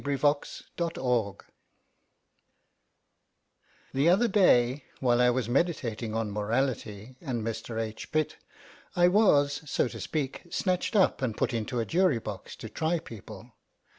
The Twelve Men The other day, while I was meditating on morality and Mr. H. Pitt, I was, so to speak, snatched up and put into a jury box to try people.